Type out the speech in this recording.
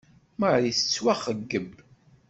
Marie tettwaxeyyeb.